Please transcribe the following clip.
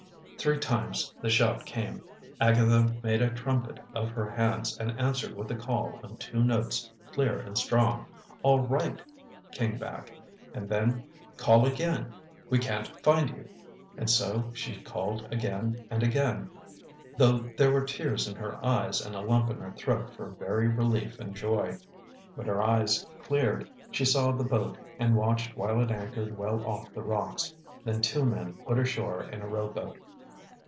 Three times the shout came. Agatha made a trumpet of her hands and answered with a call on two notes, clear and strong. "All right!" came back; and then, "Call again! We can't find you!" And so she called again and again, though there were tears in her eyes and a lump in her throat for very relief and joy. When her eyes cleared, she saw the boat, and watched while it anchored well off the rocks; then two men put ashore in a rowboat.